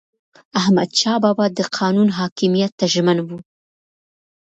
احمدشاه بابا د قانون حاکمیت ته ژمن و.